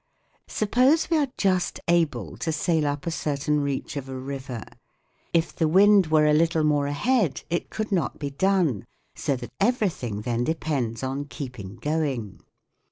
Suppose we are just able to sail up a certain reach of a river. If the wind were a little rrore ahead it could not be done, so that everything then depends on keeping going.